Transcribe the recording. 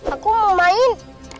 aku mau main